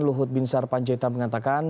luhut binsar panjaitan mengatakan